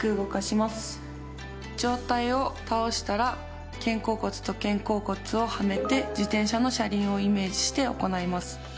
上体を倒したら肩甲骨と肩甲骨をはめて自転車の車輪をイメージして行います。